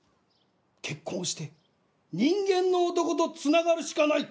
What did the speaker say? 結婚して人間の男と繋がるしかない。